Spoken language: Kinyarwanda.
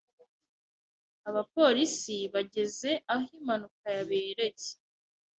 Abapolisi bageze aho impanuka yabereye.